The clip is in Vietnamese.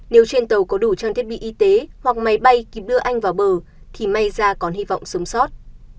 nếu trên tàu có đủ trang thiết bị y tế hoặc máy bay kịp đưa anh vào bờ thì may ra còn hy vọng sống sót